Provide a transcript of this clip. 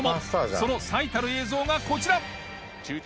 その最たる映像がこちら。